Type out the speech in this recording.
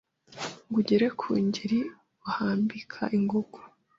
Ngo ugere ku ngeri uharambika ingogo